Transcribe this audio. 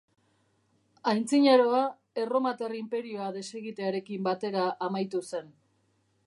Antzinaroa Erromatar Inperioa desegitearekin batera amaitu zen.